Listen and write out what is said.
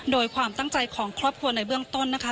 โดยความตั้งใจของครอบครัวในเบื้องต้นนะคะ